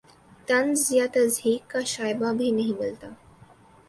طنز یا تضحیک کا شائبہ بھی نہیں ملتا